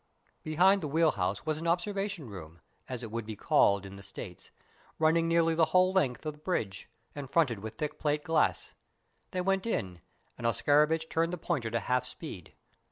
Behind the wheel house was an observation room, as it would be called in the States, running nearly the whole length of the bridge, and fronted with thick plate glass. They went in, and Oscarovitch turned the pointer to half speed.